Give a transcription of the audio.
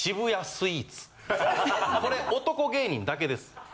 これ男芸人だけです。